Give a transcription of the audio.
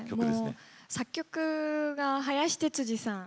作曲が林哲司さん。